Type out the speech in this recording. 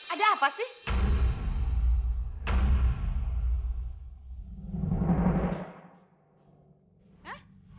ada apa sih